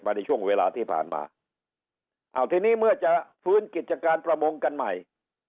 ในช่วงเวลาที่ผ่านมาเอาทีนี้เมื่อจะฟื้นกิจการประมงกันใหม่